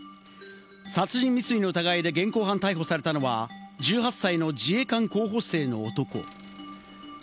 殺人未遂の疑いで現行犯逮捕されたのは１８歳の自衛官候補生の男。